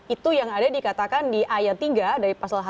itu yang ada dikatakan di ayat tiga dari pasal satu